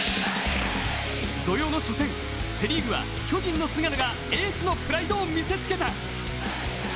土曜の初戦、セ・リーグは巨人の菅野がエースのプライドを見せつけた。